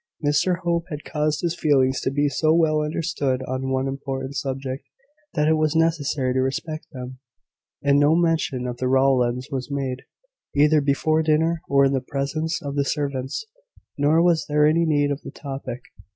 Mr Hope had caused his feelings to be so well understood on one important subject, that it was necessary to respect them; and no mention of the Rowlands was made, either before dinner or in the presence of the servants. Nor was there any need of the topic.